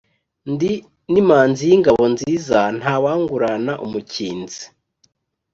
Ndi n’imanzi y’ingabo nziza ntawangurana umukinzi,